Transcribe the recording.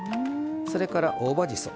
それから大葉じそ。